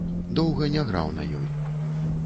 Доўга не граў на ёй.